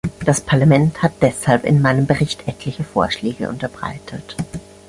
Das Parlament hat deshalb in meinem Bericht etliche Vorschläge unterbreitet.